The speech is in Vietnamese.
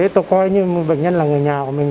tôi coi như bệnh nhân là người nhà của mình